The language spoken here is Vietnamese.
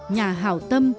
nhà hào tâm